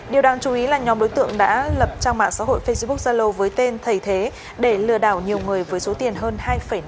điều đáng chú ý là nhóm đối tượng đã lập trang mạng xã hội facebook zalo với tên thầy thế để lừa đảo nhiều người với số tiền hơn hai năm tỷ đồng